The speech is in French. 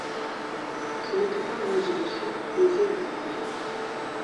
Ce n’était pas une résolution aisée à prendre.